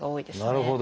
なるほど。